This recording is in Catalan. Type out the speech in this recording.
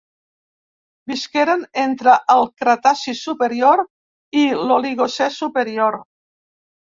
Visqueren entre el Cretaci superior i l'Oligocè superior.